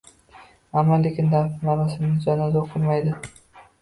Ammo-lekin dafn marosimida janoza o‘qilmaydi.